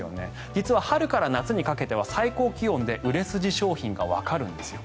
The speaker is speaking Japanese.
実は春から夏にかけて最高気温で売れ筋商品がわかるんですよ